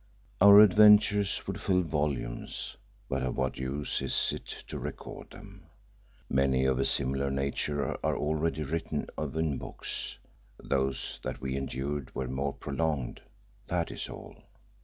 Our adventures would fill volumes, but of what use is it to record them. Many of a similar nature are already written of in books; those that we endured were more prolonged, that is all.